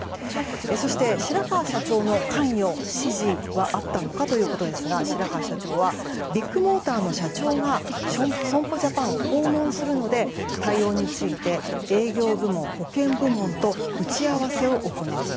そして、白川社長の関与・指示はあったのかということですが白川社長はビッグモーターの社長が損保ジャパンを訪問するので対応について営業部門、保険部門と打ち合わせを行った。